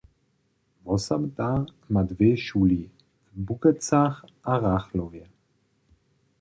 Wosada ma dwě šuli, w Bukecach a Rachlowje.